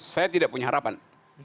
saya tidak punya harapan